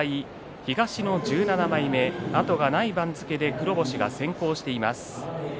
東の１７枚目、後がない番付で黒星が先行しています。